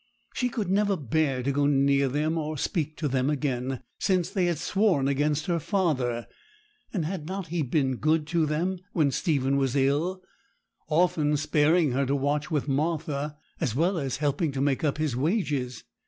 She could never bear to go near them, or speak to them again, since they had sworn against her father; and had not he been good to them when Stephen was ill, often sparing her to watch with Martha, as well as helping to make up his wages?